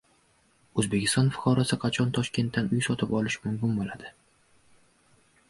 O‘zbekiston fuqarosi qachon Toshkentdan uy sotib olishi mumkin bo‘ladi?